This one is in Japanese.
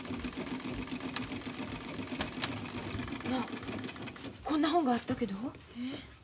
なあこんな本があったけど。